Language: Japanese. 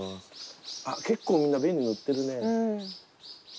あっ結構みんな紅塗ってるね。